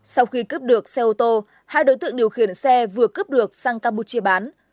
sau khi cướp được xe ô tô hai đối tượng điều khiển xe vừa cướp được sang campuchia bán